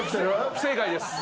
不正解です。